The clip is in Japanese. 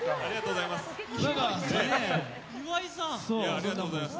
ありがとうございます。